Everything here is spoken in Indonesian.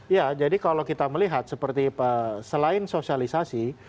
ya jadi kalau kita melihat seperti selain sosialisasi